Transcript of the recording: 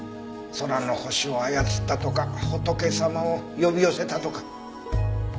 空の星を操ったとか仏様を呼び寄せたとか。